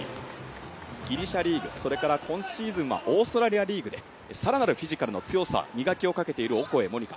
ギリシャリーグ、今シーズンはオーストラリアリーグで更なるフィジカルの強さ、磨きをかけているオコエ桃仁花。